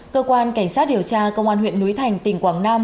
cơ quan cảnh sát điều tra công an huyện núi thành tỉnh quảng nam